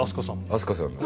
飛鳥さんの。